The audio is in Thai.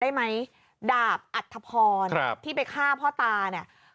ได้ไหมดาบอัธพรครับที่ไปฆ่าพ่อตาเนี่ย